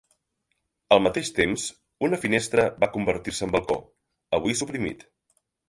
Al mateix temps, una finestra va convertir-se en balcó, avui suprimit.